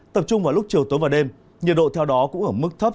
tập trung vào lúc chiều tối và đêm nhiệt độ theo đó cũng ở mức thấp